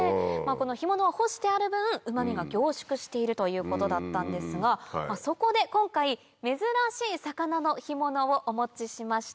干物は干してある分うま味が凝縮しているということだったんですがそこで今回珍しい魚の干物をお持ちしました。